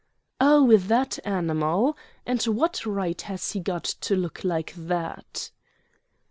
"Oh, that animal! And what right has he got to look like that?"